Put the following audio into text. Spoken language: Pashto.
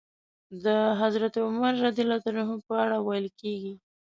د حضرت عمر رض په اړه ويل کېږي.